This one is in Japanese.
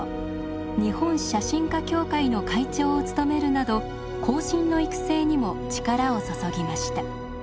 日本写真家協会の会長を務めるなど後進の育成にも力を注ぎました。